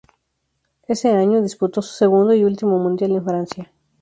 Ese año, disputó su segundo y último Mundial en Francia.